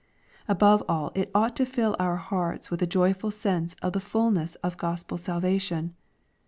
— Above all it ought to fill our hearts with a joyful sense of the fulness of Gospel sal vation.